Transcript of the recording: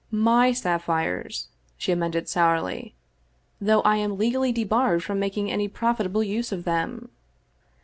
" My sapphires," she amended sourly ;" though I am legally debarred from making any profitable use of them."